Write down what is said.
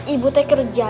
ibu teh kerja